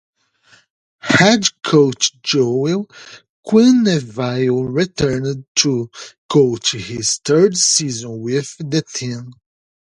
Head coach Joel Quenneville returned to coach his third season with the team.